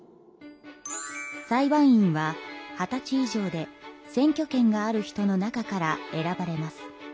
裁判員は二十歳以上で選挙権がある人の中から選ばれます。